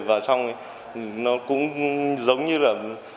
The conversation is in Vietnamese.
và xong nó cũng giống như là